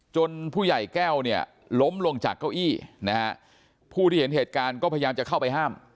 ผู้ใหญ่แก้วเนี่ยล้มลงจากเก้าอี้นะฮะผู้ที่เห็นเหตุการณ์ก็พยายามจะเข้าไปห้าม